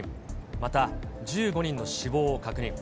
また、１５人の死亡を確認。